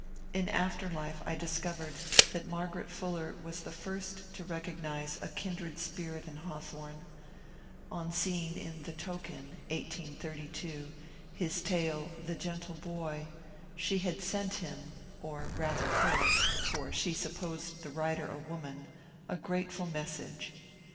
In after life I discovered that Margaret Fuller was the first to recognize a kindred spirit in Haw thorne; on seeing in "The Token" (1882) his tale The Gentle Boy," she had sent him — or rather Aer, for she sup posed the writer a woman — a grateful message.